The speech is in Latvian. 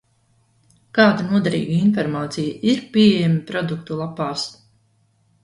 Kāda noderīga informācija ir pieejama produktu lapās?